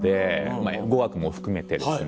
語学も含めてですね。